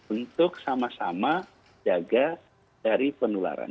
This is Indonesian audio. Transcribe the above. untuk sama sama jaga dari penularan